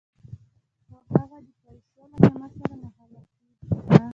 خو هغه د پیسو له کمښت سره مخامخ کېږي